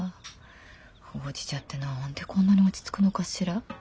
ほうじ茶って何でこんなに落ち着くのかしら。